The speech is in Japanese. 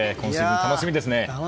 楽しみですね。